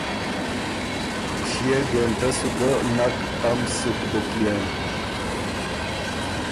ݭيې ګهېنټۀ سو ګه نک تم سُک بُک يېن